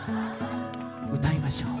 歌いましょう。